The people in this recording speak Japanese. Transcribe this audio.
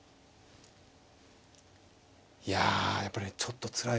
いややっぱりねちょっとつらい。